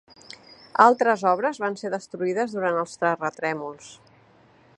Altres obres van ser destruïdes durant els terratrèmols.